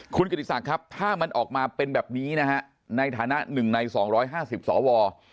คุณกิติศักดิ์ครับถ้ามันออกมาเป็นแบบนี้นะฮะในฐานะ๑ใน๒๕๐สว